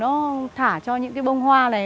nó thả cho những bông hoa này